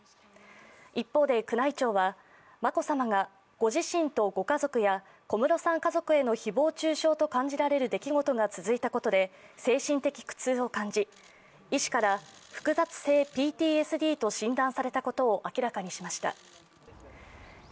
一方で宮内庁は眞子さまがご自身とご家族や小室さん家族への誹謗中傷と感じられる出来事が続いたことで精神的苦痛を感じ医師から複雑性ＰＴＳＤと診断されたことを明らかにしました。